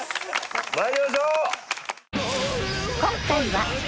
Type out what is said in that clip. まいりましょう！